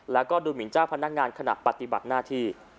แล้วก็ดูหมินเจ้าพนักงานขณะปฏิบัติหน้าที่